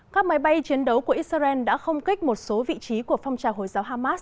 các máy bay chiến đấu của israel đã không kích một số vị trí của phong trào hồi giáo hamas